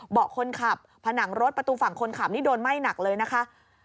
เบาะคนขับผนังรถประตูฝั่งคนขับนี่โดนไหม้หนักเลยนะคะ